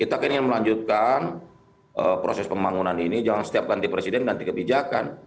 kita kan ingin melanjutkan proses pembangunan ini jangan setiap ganti presiden ganti kebijakan